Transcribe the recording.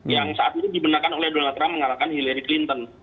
yang saat ini digunakan oleh donald trump mengalahkan hillary clinton